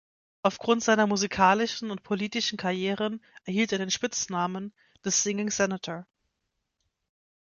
Aufgrund seiner musikalischen und politischen Karrieren erhielt er den Spitznamen „The Singing Senator“.